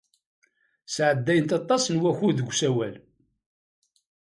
Sɛeddayen aṭas n wakud deg usawal.